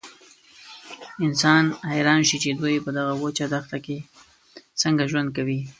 انسان حیران شي چې دوی په دغه وچه دښته کې څنګه ژوند کوي.